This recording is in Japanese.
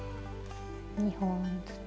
２本ずつ。